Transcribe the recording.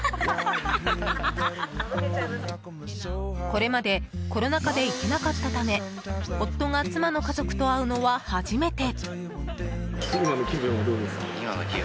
これまでコロナ禍で行けなかったため夫が妻の家族と会うのは初めて。